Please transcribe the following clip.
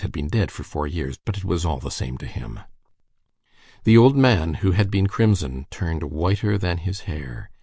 had been dead for four years; but it was all the same to him. The old man, who had been crimson, turned whiter than his hair.